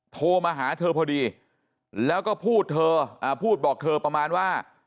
โทรมาหาเธอพอดีแล้วก็พูดเธอพูดบอกเธอประมาณว่า